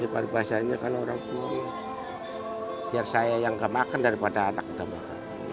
ya pada pasarnya kan orang tua biar saya yang gak makan daripada anak anak